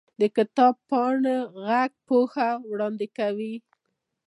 د کتاب پاڼو ږغ پوهه وړاندې کوي.